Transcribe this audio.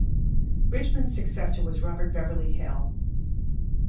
Bridgman's successor was Robert Beverly Hale.